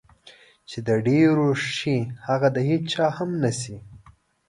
چې د ډېرو شي هغه د هېچا هم نشي.